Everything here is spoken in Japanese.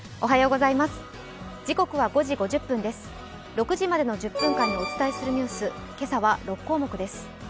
６時までの１０分間にお伝えするニュース、今朝は６項目です。